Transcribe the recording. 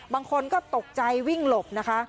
บางคนก็ตกใจวิ่งหลบนะคะ